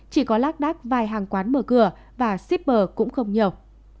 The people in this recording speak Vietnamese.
chỉ có lác đác vài hàng quán mở cửa và shipper cũng không nhiều